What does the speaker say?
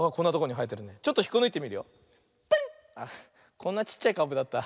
こんなちっちゃいかぶだった。